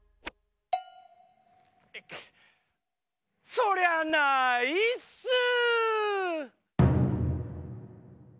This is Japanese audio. そりゃないっすー！